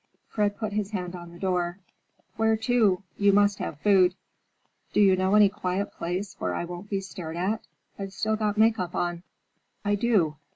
Fred put his hand on the door. "Where to? You must have food." "Do you know any quiet place, where I won't be stared at? I've still got make up on." "I do.